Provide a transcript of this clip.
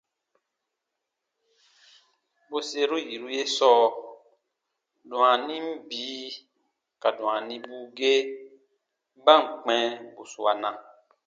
Bwerseru yiru ye sɔɔ, dwaanin bii ka dwaanibuu ge ba ǹ kpɛ̃ bù suana,